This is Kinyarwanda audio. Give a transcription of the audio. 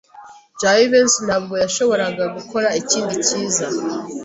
Jivency ntabwo yashoboraga gukora ikindi cyiza.